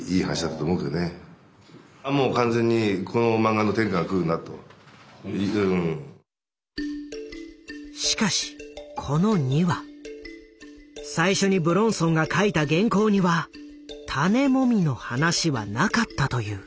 あっもう完全にしかしこの２話最初に武論尊が書いた原稿には「種モミ」の話はなかったという。